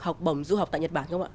học bổng du học tại nhật bản không ạ